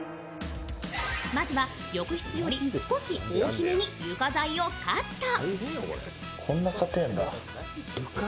まずは浴室より少し大きめに床材をカット。